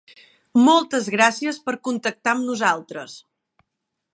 Moltes gràcies per contactar amb nosaltres.